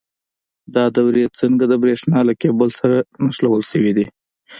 دا دورې څنګه د برېښنا له کیبل سره نښلول شوي دي؟